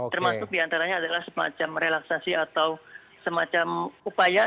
termasuk diantaranya adalah semacam relaksasi atau semacam upaya